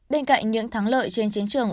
bên cạnh những thắng lợi trên chiến trường